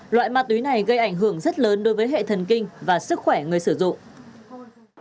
loại ma túy này gây ảnh hưởng rất lớn đối với hệ thần kinh và sức khỏe người sử dụng